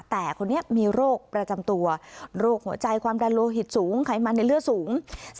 แต่คนนี้มีโรคประจำตัวโรคหัวใจความดันโลหิตสูงไขมันในเลือดสูง